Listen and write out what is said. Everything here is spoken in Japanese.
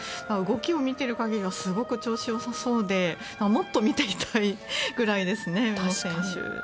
動きを見ている限りすごく調子が良さそうでもっと見ていたいぐらいですよね。